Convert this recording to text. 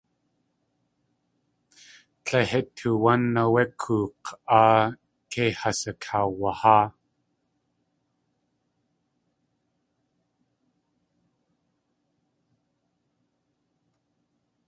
Tle hít tuwán áwé kóok̲ áa kei has akaawaháa.